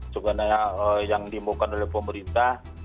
sebenarnya yang dimukan oleh pemerintah